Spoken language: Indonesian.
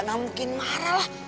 gak mungkin marah lah